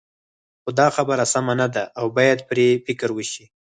خو دا خبره سمه نه ده او باید پرې فکر وشي.